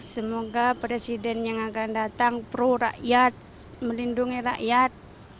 semoga presiden yang akan datang pro rakyat melindungi rakyat